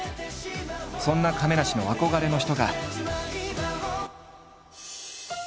そんな亀梨の憧れの人が。